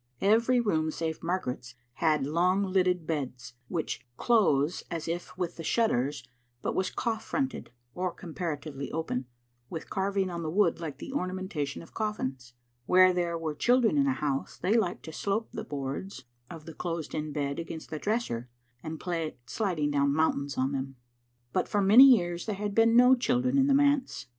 Every room save Margaret's had long lidded bed$, which close as if with shutters^ but }ier$ Digitized by VjOOQ IC tSbc WQhUWiatcbcte* 19 was coff fronted, or comparatively open, with carving on the wood like the ornamentation of cofl&ns. Where there were children in a house they liked to slope the boards of the closed in bed against the dresser, and play at sliding down mountains on them. But for many years there had been no children in the manse.